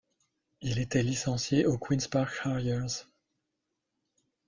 Il était licencié au Queens Park Harriers.